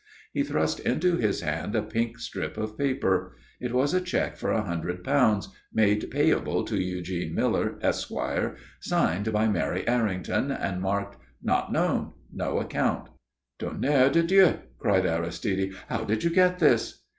He thrust into his hand a pink strip of paper. It was a cheque for a hundred pounds, made payable to Eugene Miller, Esquire, signed by Mary Errington, and marked "Not known. No account." "Tonnerre de Dieu!" cried Aristide. "How did you get this?"